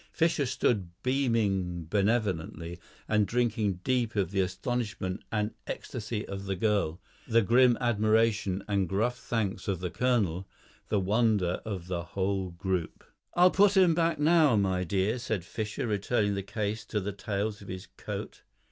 Fischer stood beaming benevolently and drinking deep of the astonishment and ecstasy of the girl, the grim admiration and gruff thanks of the colonel, the wonder of the whole group. "I'll put 'em back now, my dear," said Fischer, returning the case to the tails of his coat.